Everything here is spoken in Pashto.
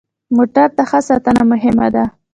موټر ته ښه ساتنه مهمه ده.